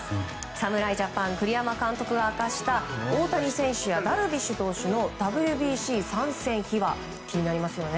侍ジャパン、栗山監督が明かした大谷選手やダルビッシュ投手のＷＢＣ参戦秘話気になりますよね。